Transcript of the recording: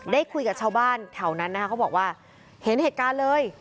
ได้คุยกับชาวบ้านแถวนั้นนะคะเขาบอกว่าเห็นเหตุการณ์เลย